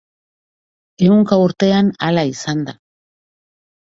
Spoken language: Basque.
Ehunka urtean hala izan da.